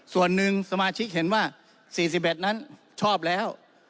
ส่วนหนึ่งสมาชิกเห็นว่า๔๑นั้นชอบแล้ว